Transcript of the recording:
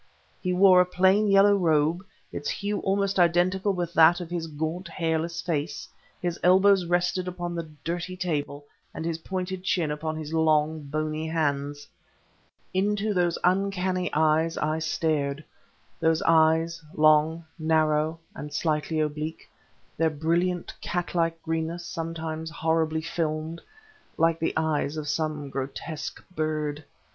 He wore a plain yellow robe, its hue almost identical with that of his gaunt, hairless face; his elbows rested upon the dirty table and his pointed chin upon his long, bony hands. Into those uncanny eyes I stared, those eyes, long, narrow, and slightly oblique, their brilliant, catlike greenness sometimes horribly filmed, like the eyes of some grotesque bird....